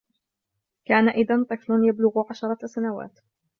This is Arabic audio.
كان إذن طفل يبلغ عشرة سنوات